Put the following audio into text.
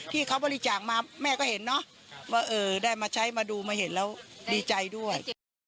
ที่เขาบริจาคมาแม่ก็เห็นเนาะว่าได้มาใช้มาดูมาเห็นแล้วดีใจด้วย